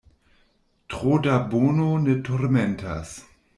Tro da bono ne turmentas.